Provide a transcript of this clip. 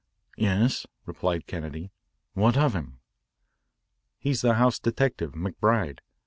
"Yes," replied Kennedy, "what of him?" "He's the house detective, McBride.